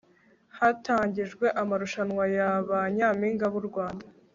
hatangijwe amarushanwa ya ba nyampinga b'u rwanda